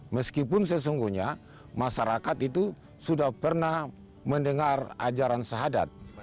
meskipun sesungguhnya masyarakat itu sudah pernah mendengar ajaran sahadat